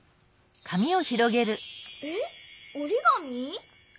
えっおりがみ？